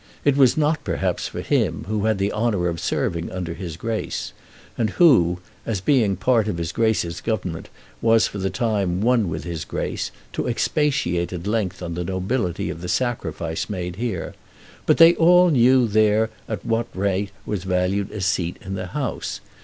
It was not, perhaps, for him, who had the honour of serving under his Grace, and who, as being a part of his Grace's Government, was for the time one with his Grace, to expatiate at length on the nobility of the sacrifice here made. But they all knew there at what rate was valued a seat in that House.